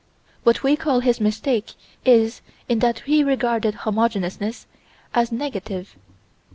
What we call his mistake is in that he regarded "homogeneousness" as negative.